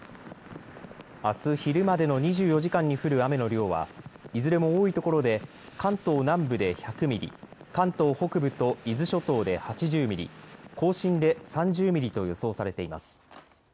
あす昼までの２４時間に降る雨の量はいずれも多いところで関東南部で１００ミリ、関東北部と伊豆諸島で８０ミリ、甲信で３０ミリと予想されています。